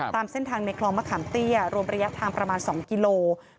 ตามเส้นทางเงคลอมะขำเตี้ยรอบระยะทางประมาณ๒กิโลเมตร